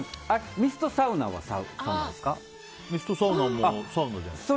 ミストサウナもサウナじゃないですか？